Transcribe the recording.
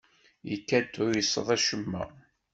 Ikad-d tuyseḍ acemma.